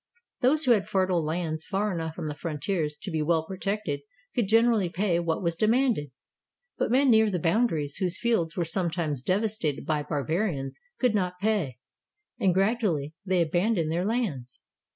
Those who had fertile lands far enough from the frontiers to be well protected could generally pay what was demanded; but men near the boundaries whose fields were sometimes devastated by barbarians could not pay, and gradually they abandoned their lands.